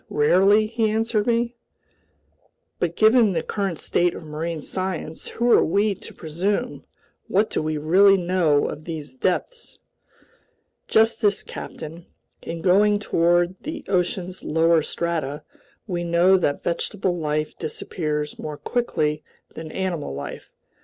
Rarely!" he answered me. "But given the current state of marine science, who are we to presume, what do we really know of these depths?" "Just this, captain. In going toward the ocean's lower strata, we know that vegetable life disappears more quickly than animal life.